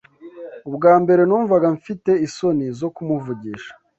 Ubwa mbere numvaga mfite isoni zo kumuvugisha